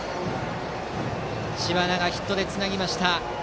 知花がヒットでつなぎました。